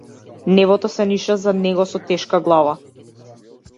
Небото се ниша зад него со тешка глава.